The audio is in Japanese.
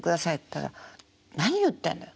ったら何言ってんだよ